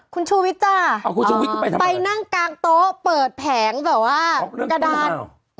คุณชูวิทย์จ้ะเอาคุณชูวิทย์ไปนั่งกลางโต๊ะเปิดแผงแบบว่ากระดาน